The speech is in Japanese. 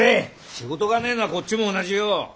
仕事がねえのはこっちも同じよ！